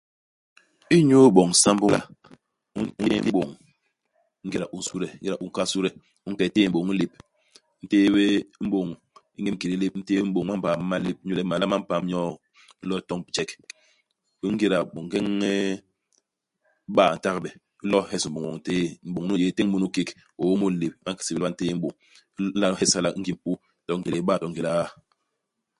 Inyu iboñ sambô i mala, u n'yéñ m'bôñ. Ingéda u u nsude ingéda u u nkahal sude, u ke u téé m'bôñ i lép. U ntéé bé m'bôñ i ñemkédé u lép, u ntéé m'bôñ i mambaa ma malép, inyu le mala ma mpam nyo'o i lo toñ bijek. Ingéda ngeñ nn iba i ntagbe, u lo'o u hes m'bôñ woñ u ntéé. M'bôñ nu u yé u téñ munu i kék, u ôm mu i lép ; ba nsébél le ba ntéé m'bôñ. U nla hes hala ingim u to ngélé iba to ngélé iaa.